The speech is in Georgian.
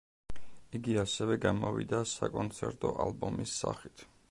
იგი ასევე გამოვიდა საკონცერტო ალბომის სახით.